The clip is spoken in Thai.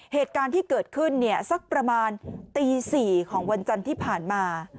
เหตุการณ์ที่เกิดขึ้นเนี่ยสักประมาณตี๔ของวันจันทร์ที่ผ่านมา